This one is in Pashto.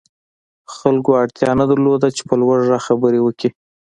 خلکو اړتيا نه درلوده چې په لوړ غږ خبرې وکړي.